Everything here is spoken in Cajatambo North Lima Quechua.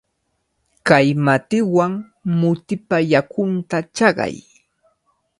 Kay matiwan mutipa yakunta chaqay.